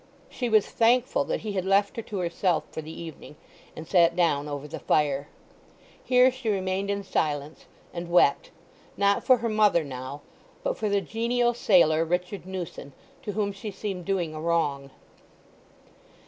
She was thankful that he had left her to herself for the evening, and sat down over the fire. Here she remained in silence, and wept—not for her mother now, but for the genial sailor Richard Newson, to whom she seemed doing a wrong.